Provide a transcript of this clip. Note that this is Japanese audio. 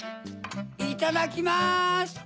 いただきます！